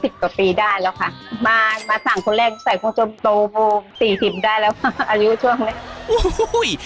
๒๐กว่าปีได้แล้วค่ะมาสั่งคนแรกใส่ความจนโต๔๐ได้แล้วอายุช่วงนี้